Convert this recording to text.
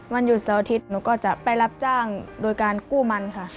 วันหยุดเสาร์อาทิตย์หนูก็จะไปรับจ้างโดยการกู้มันค่ะ